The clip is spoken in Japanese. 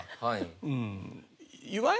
はい。